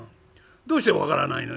「どうして分からないの？」。